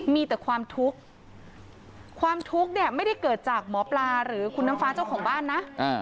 มีแต่ความทุกข์ความทุกข์เนี่ยไม่ได้เกิดจากหมอปลาหรือคุณน้ำฟ้าเจ้าของบ้านนะ